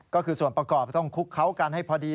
ก็คือส่วนประกอบต้องคุกเขากันให้พอดี